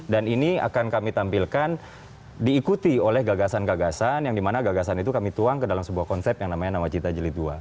dan ini akan kami tampilkan diikuti oleh gagasan gagasan yang dimana gagasan itu kami tuang ke dalam sebuah konsep yang namanya namacita jelitua